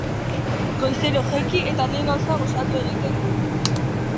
Goizero, jaiki eta lehen gauza, gosaldu egiten dut.